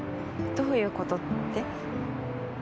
「どういうこと」って？